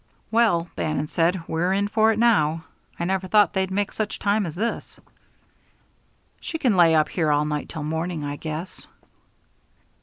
"Well," Bannon said, "we're in for it now. I never thought they'd make such time as this." "She can lay up here all night till morning, I guess."